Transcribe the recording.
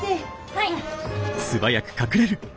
はい。